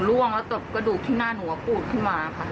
ล่วงแล้วตบกระดูกที่หน้าหนูก็ปูดขึ้นมาค่ะ